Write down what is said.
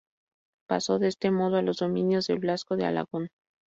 Pasó de este modo a los dominios de Blasco de Alagón.